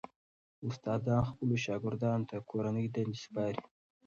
استادان خپلو شاګردانو ته کورنۍ دندې سپاري.